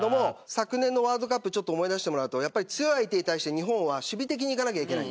昨年のワールドカップを思い出してもらうと強い相手に対して日本は守備的にいかなきゃいけない。